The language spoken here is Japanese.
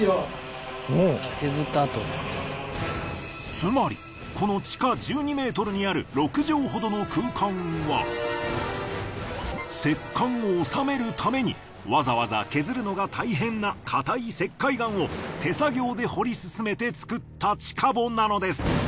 つまりこの地下１２ｍにある６畳ほどの空間は石棺を納めるためにわざわざ削るのが大変な硬い石灰岩を手作業で掘り進めて造った地下墓なのです。